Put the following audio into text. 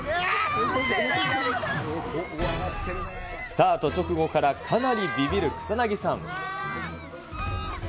スタート直後からかなりびびる草薙さん。